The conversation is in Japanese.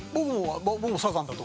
僕もサザンだと。